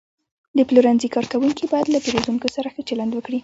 د پلورنځي کارکوونکي باید له پیرودونکو سره ښه چلند وکړي.